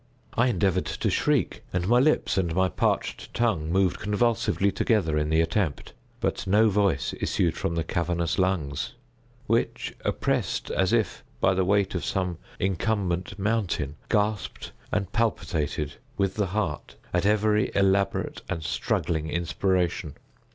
I endeavored to shriek; and my lips and my parched tongue moved convulsively together in the attempt—but no voice issued from the cavernous lungs, which oppressed as if by the weight of some incumbent mountain, gasped and palpitated, with the heart, at every elaborate and struggling inspiration.